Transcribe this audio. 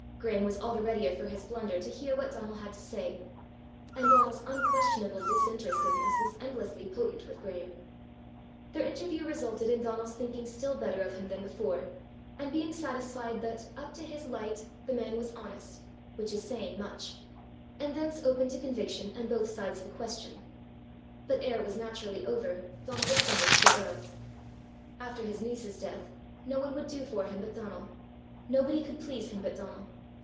Graeme was all the readier for his blunder to hear what Donal had to say, and Donal's unquestionable disinterestedness was endlessly potent with Graeme. Their interview resulted in Donal's thinking still better of him than before, and being satisfied that, up to his light, the man was honest which is saying much and thence open to conviction, and both sides of a question. But ere it was naturally over, Donal was summoned to the earl. After his niece's death, no one would do for him but Donal; nobody could please him but Donal.